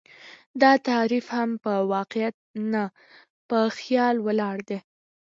دا تعريف هم په واقعيت نه، په خيال ولاړ دى